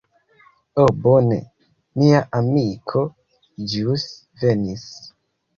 Ho bone, mia amiko ĵus venis.